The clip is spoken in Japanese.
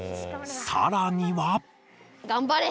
さらには。